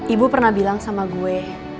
ibu pernah bilang sama gue